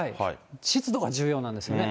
湿度が重要なんですね。